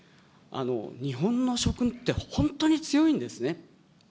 岸田総理、日本の食って、本当に強いんですね。